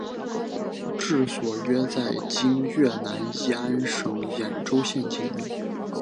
治所约在今越南乂安省演州县境内。